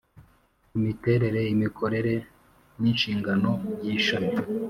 Imiterere imikorere n inshingano by ishami